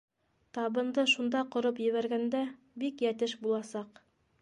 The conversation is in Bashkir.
Табынды шунда ҡороп ебәргәндә, бик йәтеш буласаҡ.